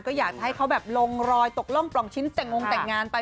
ก็อยากจะให้เขาแบบลงรอยตกร่องปล่องชิ้นแต่งงแต่งงานไป